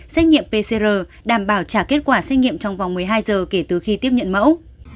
xét nghiệm pcr đảm bảo trả kết quả xét nghiệm trong vòng một mươi hai giờ kể từ khi tiếp nhận mẫu